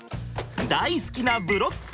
大好きなブロック！